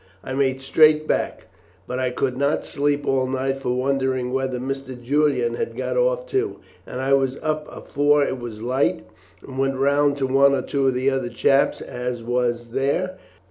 I made straight back, but I could not sleep all night for wondering whether Mr. Julian had got off too, and I was up afore it was light, and went round to one or two of the other chaps as was there.